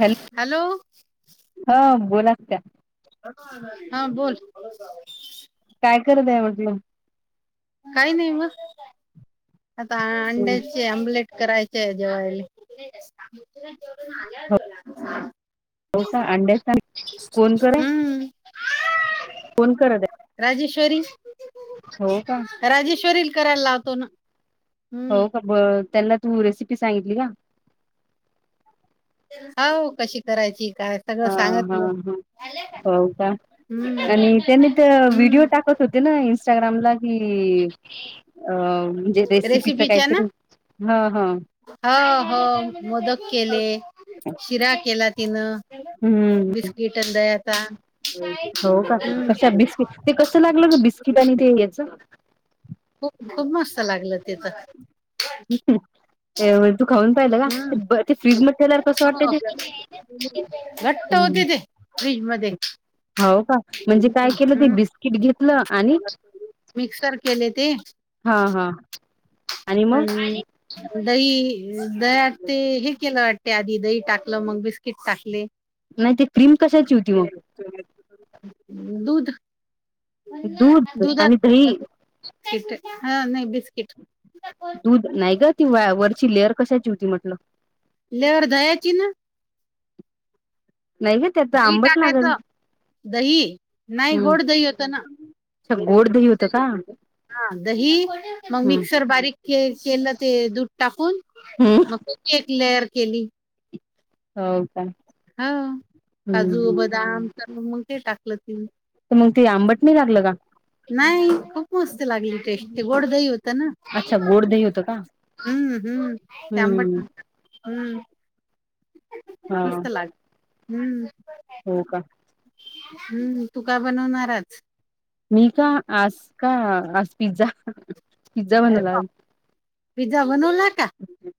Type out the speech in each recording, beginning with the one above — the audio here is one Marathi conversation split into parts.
हॅलो हॅलो हा बोलात त्या हा बोल काय करत आहे म्हटल काही नाही मग आता अंड्या अम्बलेट करायचे जेवय हो का अंडरस्टँड कोण करय हम्म कोण करत आहे राजेश्वरी हो का राजेश्वरील करायला लावतो ना हम्म हो का ब त्यांना तू रेसिपी सांगितली का हो कशी करायची काय सगळं हा हा सांगितलं हा हो का हम्म आणि त्यांनी तर व्हिडिओ हम्म टाकत होते ना इं्स्टाग्रामला ह अ म्हणजे रेसिपीच रेसिपीच्या ना काहीतरी हा हा हो हो मोदक केले शिरा केला तिनं हम्म बिस्किटन दयाता हो का कशा बिस्किट ते कसं लागलं ग बिस्किट आणि ते याच खूप खूप मस्त लागलं तिथं ह तू खाऊन पाहिलं का हम्म ते ते फ्रीज मध्ये केल्यावर कसं वाटत ते घट हम्म होओत ते फ्र्रीज मध्ये हो का म्हणजे काय केलं ते हम्म बिस्किट घेतलं आणि मिक्सर केले ते हा हा आणि दही दहट ते हे केलं वाटत त्या आधी दही टाकलं मग बिस्किट टाकले नाही ते क्रीम कशाची होती मग दूध दूध आणि दुधात दही बिस्किट हा नाही बिस्किट दूध नाही ग ती व वरची लेअर कशाची होती म्हटलं लवर दयाची ना नाही का त्यात दही आंबट नागल टाकायचं दही नाही गोड दही होतं ना अछा गोड दही होतं का हा दही मग मिक्सर बारीक के केलं ते दूध टाकून हम्म मग एक लेअर केली हो का ह हम्म काजू हम्म. बदाम सर्व मग ते टाकलं तीनी त मग ते आंबट नि लागलं का नाही खूप मस्त लागली टेस्ट गोड दही होत ना अच्छा गोड दही होतं का हम्म हम्म ते आंबट हम्म हम्म हा मस्त लाग हम्म हो का हम्म तू का बनवणार आज मी का आज का आज पिझ्झा पिझ्झा अरे बनवला बाप आज पिझ्झा बनवला का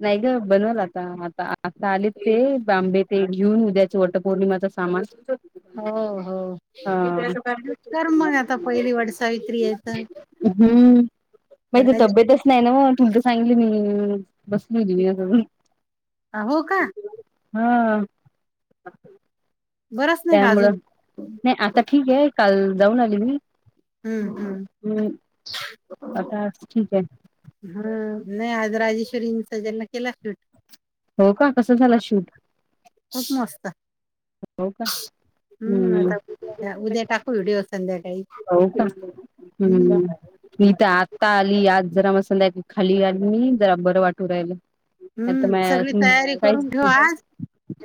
नाही ग बनवल आता आता आता आले ते बांबे ते घेऊन उद्याचे वटपौर्णिमाचा सामान हो हो कर मग आता पहिली वटसावित्री आहे तर हम्म मही तर राजे तब्येतच नाही ना मग तुल तर सांगली मी बसली होती मी आता जेवण हो का झाले हं बरंच नाही का अजून त्यामुळं नाही आता ठीक आहे काल जाऊन आली मी हम्म हम्म हम् आता ठीक आहे ह नाही आज राजेश्वरींचा ज्यांना केला शूट हो का कसं झालं शूट खूप मस्त हो का हम्म आता उद्या टाक भेटूया संध्याकाळी हो का हम्म मी तर आत्ता आली आज जरा मसधाय खाली आली मी जरा बरं वाटू राहिलं आता हम्म म सगळी तयारी काहीच करून ठेव आज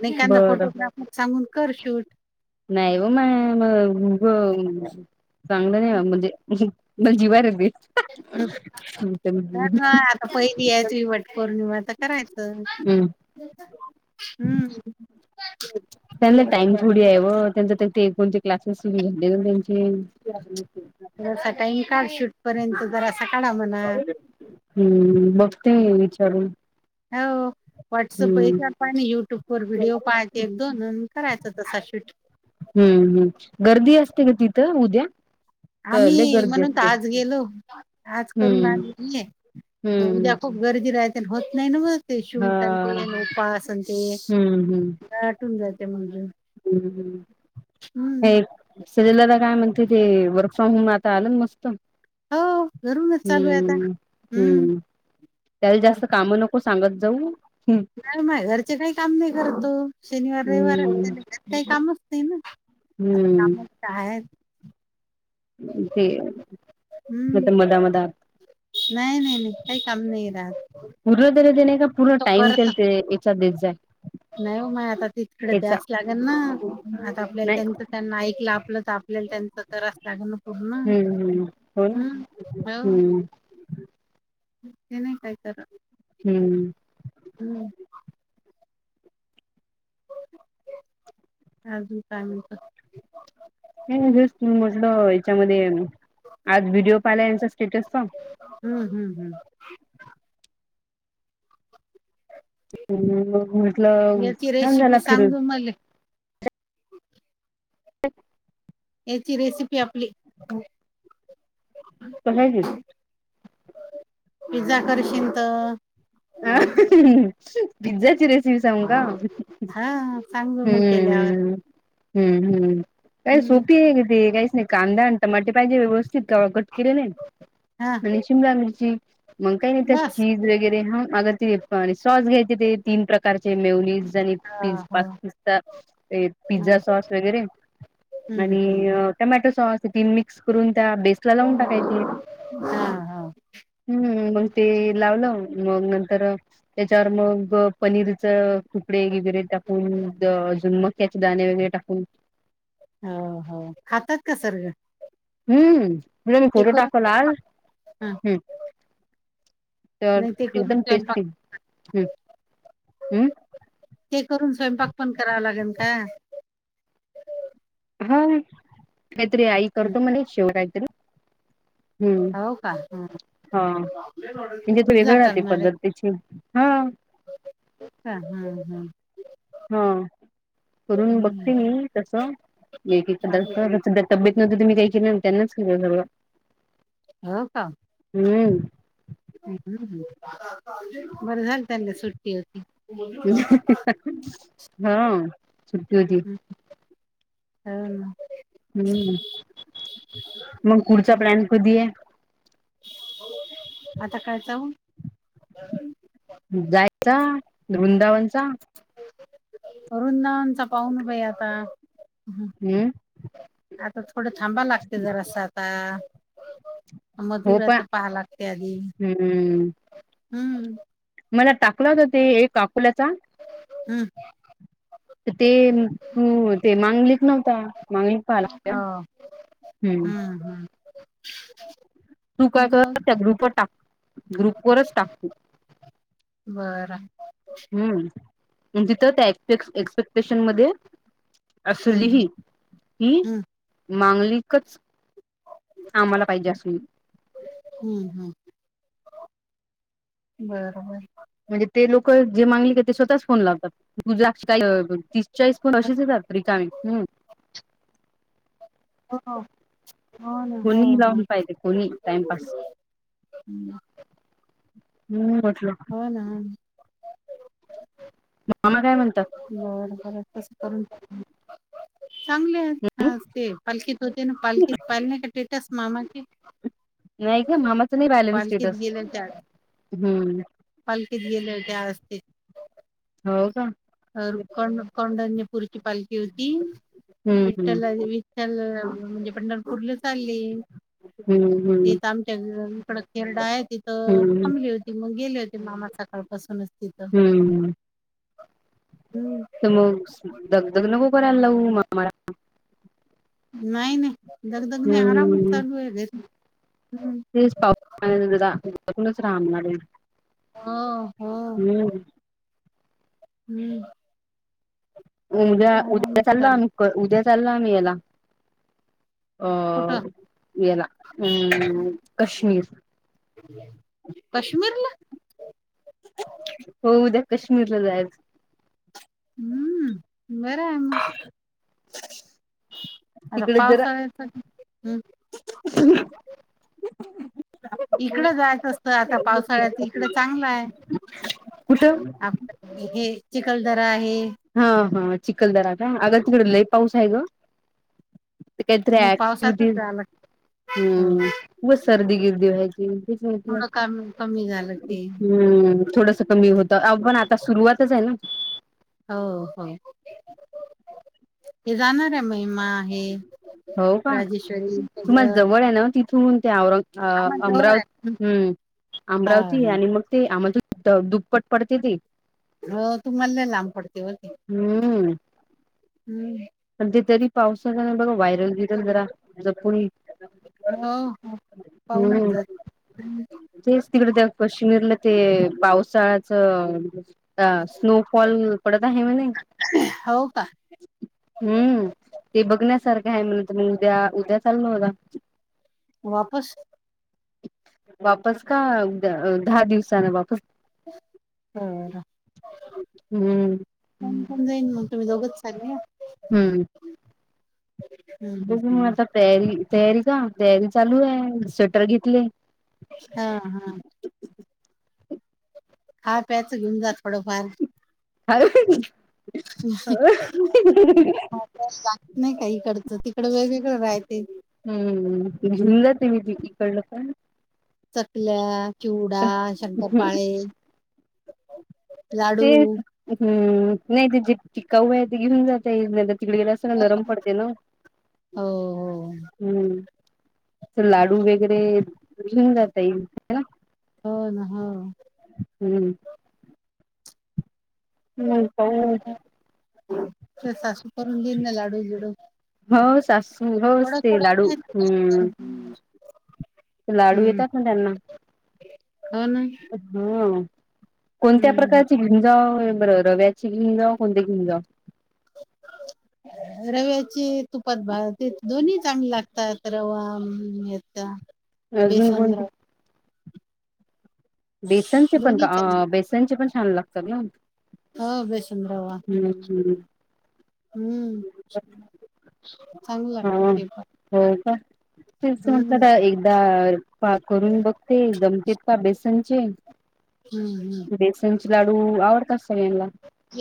एखदा बरं फोटोग्राफर सांगून कर शूट नाही व माय म ग म चांगलं नाही म्हणजे पण जीवार येते ह करना आता पहिली आहे तुही वट पौर्णिमा तर करायचं हम्म ह कुडी आहे व त्यांचा ते कोणते क्लासेस सुरू झाले त्यांचे थोडा सा टाईम काढ शूट पर्यंत जर असा काढा म्हणा. हम्म बघते विचारून हो व्हॉटसअप हम्म पा युट्यूब व व्हिडिओ हम्म पाय एक दोन अन् करायचं तसा शूट हम्म हम् गर्दी असते का तिथं उद्या तर लय आम्ही गर्दी म्हणून असते आज गेलो आज करून हम्म आले हम्म उद्या खूप गर्दी राहते आणि होत नाही ना व ते हा शूट अन ते न ऊपास अन् ते थकून जाते म्हणलं [unintelligible] सललदादा काय म्हणते ते वर्क फ्रॉम होम आता आलं ना मस्त हो घरूनच चालू आहे आता हम्म हम्म त्याला बर जास्त काम नको हो सांगत जाऊ हम्म नाही व माय घरचे काही काम नाही करत तो शनिवार रविवार हम्म त्याले काही कामच नाही न आता हम्म कामच काय आहे ते मंग ते मधां मधांत नाहीं नाहीं नाहीं कांहीं कामं नाहीं राहातं पूर्ण तरी देणे कां पूर्ण टाईम तेल ते यांच्यात देत जां नाहीं हो माय आंता तितकडे द्यास लागेल नां आंता आपल्यांला नाही त्यांच त्यांना ऐकलं आपलं तरं आपल्यांला त्यांचं करां जागणपूर नां हम्म हम्म हो ना हम्मं हो हम्म हम्मं कायं हम्मं हम्मं अजूंन कायं म्हणतं कांहीं नाहीं हेंच तुम्हीं म्हटलं यांच्यामध्ये आंज व्हिडिओ पाहिला यांचा स्टेटसचां हम्मं हम्मं हम्मं अ म्हटलं याची छान झांला रेसिपी फिरूंन सांगू मले [inaudible] [unintelligible] यांची रेसिपी आपलीं बघांयली पिझ्झा करशील तरं हं पिझ्झाची रेसिपी सांगून जाऊं कां हम्मं हा सांगू मग केल्यावर हम्मं हम्मं हम्मं हम्मं कायं हम्म सोपी आहे की ते काहींचं नाहीं कांदा आणि टमाटे पाहिजे व्यवस्थित कां केले हा नाहीं आणि शिमला मिर्ची मंग कांहीं नाहीं त्यां बस चीझ वगैरे हां मलां ते सॉस घ्यांयचे ते तीनं प्रकारचें मेवनीस जे हा पि हो पा पिस्ता हा पिझ्झा सॉस वगैरें हम्म हम्म आणि अं टमॅटो सॉस तीनं मिक्स करूंन त्यां बेसला लावूंन टाकांयचे हा हो हम्मं मंग ते लावलं मंग नंतर तरं त्यांच्यावर मंग पनीरचे तुकडे वगैरें टाकूंन अजूंन मंग त्यांचे दांणे वगैरें टाकूंन हम्मं हम्मं खातांत कसं हम्मं तु फोटो टाकंल आंज हा हम्मं तरं नाही ते करून एकदंम स्वयंपाक टेस्टी हं हम्मं ते करूंन स्वयंपाक पणं करांवा लागेल कां हां कांहीं तरी आई करतो म्हंणे शेव कांहीं तरी हाव कां हम्मं हां म्हणजे ते वेगळं राहतें पद्धती त्यांची हाव हां हम्मं हां करूंन हम्म बघते मी तसं एक एक संध्या तब्येत नव्हतं तुम्हीं कांहीं केलं त्यांनीच केलं सगळं हो कां हम्मं बरं झालं त्यांनले सुट्टी होती हो सुट्टी होती हवं हम्मं मंग पुुढचा प्लॅन कधीं आहे आंता कायंचाव हं जायचा वृंदावनचा वृंदावनचा पाहुन बाई आता हम्म. आता थोडं थांबा लागते जरासं आता हो पा मधुराच पहा लागते आधी हम्म हम्म मला टाकलं होत ते एक अकोल्याचा हम्म. तर ते तो मांगलीच नव्हता मागली हा हम्म हम्म. तू काय कर जाऊ त्या ग्रुपवर टाक. ग्रुप वरच टाक तू. बरं. हम्म मग तिथं त्या एक्सपेक् एक्सपेक्ट स्टेशन मध्ये अस हम्म लिही की हम्म मांगलिकच आम्हाला पाहिजे असून हम्म हम्म बर बर. म्हणजे ते लोक जे मांगलिक आहेत ते स्वतःच फोन लावतात [unintelligible] [unintelligible] ह हो ना हा कोणी लावून हा. पाहिजे कोणी टाइमपास हं. हम्म म्हटलं हो ना मामा काय म्हणतात? बरं बरं तसं करून बघीन. चांगले हम्म आहेत ते पालखीत होते ना पालखीत पाहिले नाय का टेटस मामाचे नाही ग मामाचं नाही पाहिल मी पालखीत स्टेटस गेल्या त्या हम्म. पालखीत गेलेले त्या असतील हो का. अह कोंड कोंड्यापूरची पालखी होती हम्म विठ्ठललाने [unintelligible] त्या अह म्हणजे पंढरपुरला चालले हम्म [unintelligible] च्या इकड खेळडं आहे तिथं हम्म हम्म थांबली होती मग गेले होते मामा सकाळपासूनच तिथं हम्म. हम्म. तर मग दग दग नको करायला लावू मामाला. नाय नाय दगदग नाय आरामच हम्म चालू आहे घरी. हो हो [unintelligible] हम्म. उद्या उद्या आरामच चालो चालू आम्ही क उद्या चालो आम्ही याला अह कुठं याला अम काश्मीर कश्मिरला? हो उद्या कश्मीरला जायच हम्म बर हाय मग. [inaudible] आता पावसाळ्यात पण हम्म ह इकडं जायचं असतं आता पावसाळ्यात इकडं चांगलं आहे. कुठं आपलं हे चिखलदरा आहे. हा हा चिखलदरा का अग तिकड लय पाऊस आहे ग तीत मग त्र्याक मजा पावसातच येईल. जावं लागतं. हम् म सर्दी गिरदी व्हायची तेच म्हटलं. थोडं कमी कमी झालं ते हम्म थोडस कमी होतं अ पण आता सुरुवातच आहे ना, हो हो हो जाणार हाय मी माहे हो का तुम्हाला जवळ आहे ना तिथून ते औरग अ आम्हाला जवळ आहे अमरावती हम्म, अमरावती हा आणि मग ते आम्हाला त दुप्पट पडते ते. हो तुम्हाला लय लांब पडते व ती. हम्म. हम्म. पण ते तरी पावसाच जरा बगा वायरल बिअरलं जरा जपून. हो हो पाऊनच हम्म जा हम्म. तेच तिकड त्या कश्मीरला ते पावसाळ्याचं, अ स्नोफॉल पडत आहे म्हणे हो का. हम्म ते बघण्यासारखं आहे म्हण मग उद्या उद्या चाललो आत्ता. वापस? वापस का गं दहा दिवसान वापस. होय का. हम्म कोण कोण जाईन मग तुम्ही दोघच चालले. हम्म. हं बघु मग हं आता तयारी तयारी का तयारी चालू आहे स्वेटर घेतले. हा हा. खा प्याच घेऊन जा थोडंफार. काही बी नाही काय इकडचं तिकड वेगळीकडे राहते. हम्म ह घेऊन जा तुम्ही इकडं पण. चकल्या चिवडा ते शंकरपाळे, ते लाडू हम्म नाही ते जे टिकाऊ आहे घेऊन जाता येईल डब्यात. तिकड गेल्याव सगळं नरम पडते ना. हो हो हम्म तर लाडू वगैरे घेऊन जात येईल ना. हो ना हो. हम्म. पाहू तुझं सासू करून देईन ना लाडू गीडू. हो सासू होस ते लाडू खायचं. हम्म. लाडू हम्म येतात ना त्यांना. हो ना. हम कोणत्या हम्म प्रकारचे घेन जाऊ बरं रव्याची घेन जाऊ कोणते घेन जाऊ? [inaudible] रव्याची तुपात भा ते दोन्ही चांगले लागतात रवा याता. म अजून काय म्हणते. बेसनचे पण का दोन्ही चांगले अ बेसनचे पण छान लागतात ना. ह बेसन रवा. हम्म हम्म. हम्म चांगलं हा लागत ते पण. हो का हम्म म्हटलं एक दार पा करून बघते जमते का बेसनचे हम्म हम्म बेसनचे लाडू आवडतात सगळ्यांना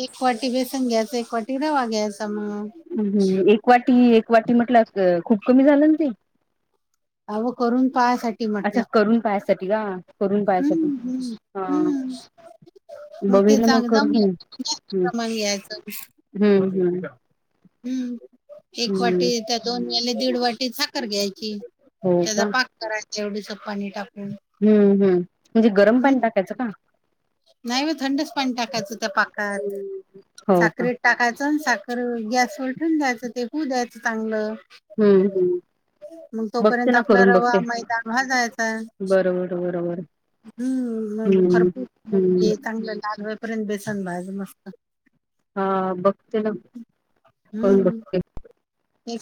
एक वाटी बेसन घ्यायच एक वाटी रवा घ्यायचा मग म एक वाटी एक वाटी म्हटलं खूप कमी झालं ना ते अहो करून पाहासाठी अच्छा म्हटलं करून पायासाठी का करून पायसाठी हम्म, हम्म, हा हम्म. मग ते बघेल सागजा मी करून हम्म प्रमाण घ्यायचं हम्म हम्म हम्म एक वाटी हम्म त्या दोन याले दीड वाटी साखर घ्यायची हो का त्याचा पाक कराय तेवढच पाणी टाकून हम्म हम् म्हणजे गरम पाणी हम्म. टाकायचं का नाही म थंडच पाणी टाकायचं त्या पाकात हम्म. हो का साखर टाकायचं आणि साखर गॅसवरर ठवून द्यायचं तेपू द्यायचं चांगलं हम्म हम्म मग बघते तोपर्यंत ना आपला करून रवा बघते मैद हा जायचा आहे बरोबर, बरोबर. हम्म म्हणजे खरपूर हम्म चांगलं लादवईपर्यंत बेसन भाज मस्त हा बघते ना करण हम्म. बघते